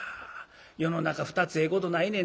世の中二つええことないねんな。